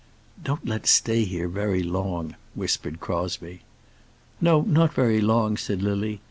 "Don't let's stay here very long," whispered Crosbie. "No, not very long," said Lily.